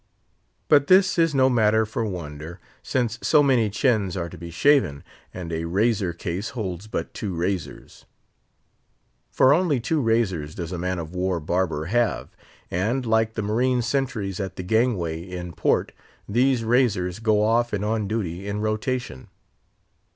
But this is no matter for wonder, since so many chins are to be shaven, and a razor case holds but two razors. For only two razors does a man of war barber have, and, like the marine sentries at the gangway in port, these razors go off and on duty in rotation.